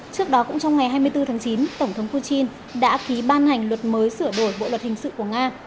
trước đó cũng trong ngày hai mươi bốn tháng chín tổng thống putin đã ký ban hành luật mới sửa đổi bộ luật hình sự của nga